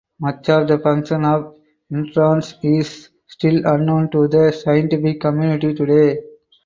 Much of the function of introns is still unknown to the scientific community today.